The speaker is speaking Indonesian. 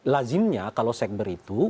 lazimnya kalau sekber itu